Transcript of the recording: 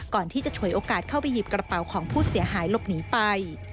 ฉวยโอกาสเข้าไปหยิบกระเป๋าของผู้เสียหายหลบหนีไป